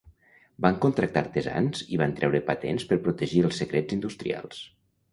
Van contractar artesans i van treure patents per protegir els secrets industrials.